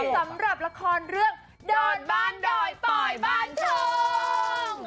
สำหรับละครเรื่องดอนบ้านดอยปอยบ้านทอง